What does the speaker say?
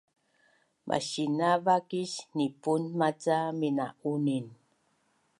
Masinavakis nipun maca mina’unin